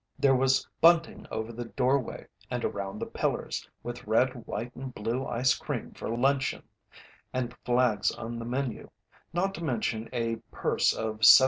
There was bunting over the doorway and around the pillars, with red, white, and blue ice cream for luncheon, and flags on the menu, not to mention a purse of $17.